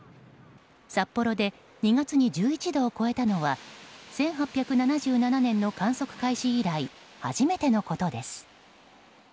札幌で２月に１１度を超えたのは１８７７年の観測開始以来初めてのことです。